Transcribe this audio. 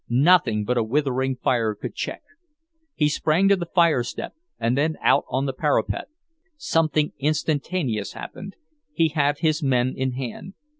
Nothing but a withering fire could check.... He sprang to the firestep and then out on the parapet. Something instantaneous happened; he had his men in hand.